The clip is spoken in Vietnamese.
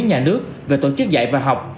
nhà nước về tổ chức dạy và học